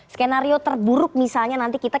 skenario terburuk misalnya nanti kita